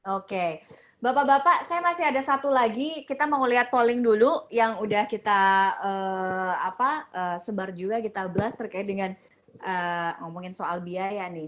oke bapak bapak saya masih ada satu lagi kita mau lihat polling dulu yang udah kita sebar juga kita blas terkait dengan ngomongin soal biaya nih